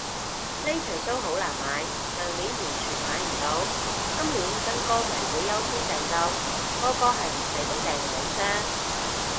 呢場騷好難買，上年完全買唔到，今年跟歌迷會優先訂購，個個係唔係都訂兩張